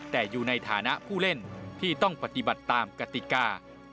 แต่อยู่ในฐานะผู้เล่นที่ต้องปฏิบัติตามกติกา